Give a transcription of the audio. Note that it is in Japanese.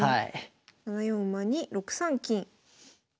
７四馬に６三金。